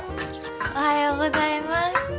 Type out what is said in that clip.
おはようございます。